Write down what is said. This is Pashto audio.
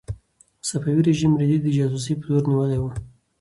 صفوي رژیم رېدی د جاسوسۍ په تور نیولی و.